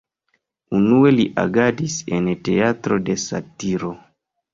Unue li agadis en Teatro de satiro.